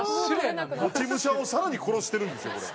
落ち武者を更に殺してるんですよこれ。